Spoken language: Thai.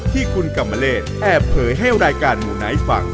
ที่คุณกรรมเลศแอบเผยให้รายการหมู่ไนท์ฟัง